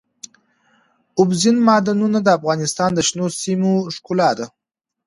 اوبزین معدنونه د افغانستان د شنو سیمو ښکلا ده.